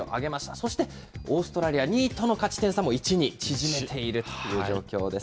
そして、オーストラリア２位との勝ち点差も１に縮めているという状況です。